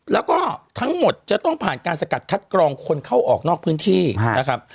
แล้วก็ทั้งหมดจะต้องผ่านการสกัดคัดกรองคนเข้าออกนอกพื้นที่นะครับ